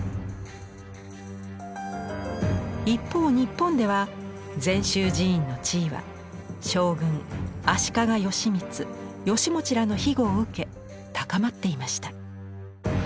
一方日本では禅宗寺院の地位は将軍足利義満・義持らの庇護を受け高まっていました。